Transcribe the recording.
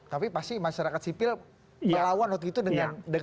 tapi pasti masyarakat sipil melawan waktu itu dengan